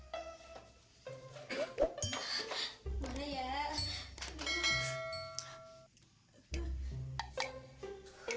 ujung pak ini bulu ketek jadi panjang begitu